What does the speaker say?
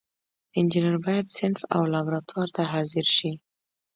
انجینر باید صنف او لابراتوار ته حاضر شي.